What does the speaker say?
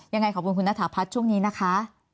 ยังไงขอบคุณคุณณฐาพัฒน์ช่วงนี้นะคะ